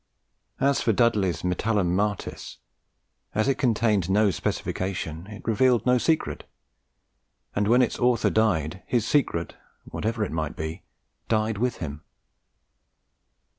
As for Dudley's Metallum Martis, as it contained no specification, it revealed no secret; and when its author died, his secret, whatever it might be, died with him.